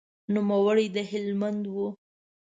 نوموړی د هلمند و.